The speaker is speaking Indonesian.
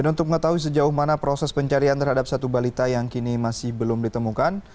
dan untuk mengetahui sejauh mana proses pencarian terhadap satu balita yang kini masih belum ditemukan